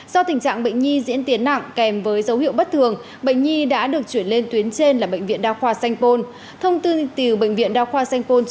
do tình trạng bệnh nhi diễn tiến nặng kèm với dấu hiệu bất thường bệnh nhi đã được chuyển lên tuyến trên là bệnh viện đa khoa sanh pôn